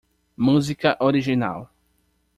Música original.